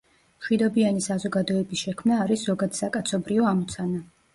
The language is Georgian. მშვიდობიანი საზოგადოების შექმნა არის ზოგადსაკაცობრიო ამოცანა.